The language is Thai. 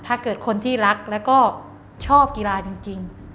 ถ้าเกิดคนที่รักแล้วก็ชอบกีฬาจริง